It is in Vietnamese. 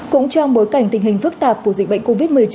cũng trong bối cảnh tình hình phức tạp của dịch bệnh covid một mươi chín